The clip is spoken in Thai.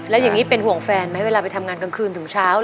แล้วอย่างนี้เป็นห่วงแฟนไหมเวลาไปทำงานกลางคืนถึงเช้า